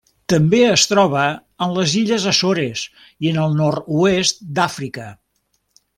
També es troba en les Illes Açores i el nord-oest d'Àfrica.